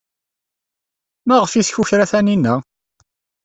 Maɣef ay tkukra Taninna?